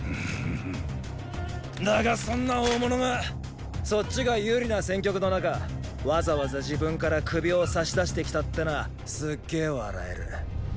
だがそんな大物がそっちが有利な戦局の中わざわざ自分から首を差し出してきたってのはすっげェ笑える！